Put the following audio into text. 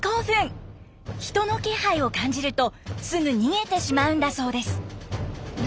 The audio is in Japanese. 人の気配を感じるとすぐ逃げてしまうんだそうです。